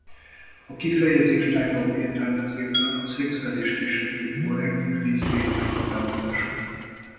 A kifejezés tágabb értelmezésben a szexuális kisebbség korrekt és diszkrét meghatározása.